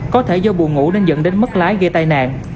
có thể do bù ngủ nên dẫn đến mất lái gây tai nạn